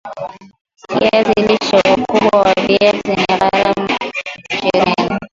Kiazi lishe ukubwa wa viazi ni gram ishirni